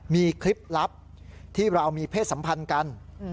มีคลิปลับที่เรามีเพศสัมพันธ์กัน